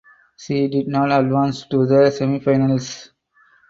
She did not advance to the semifinals.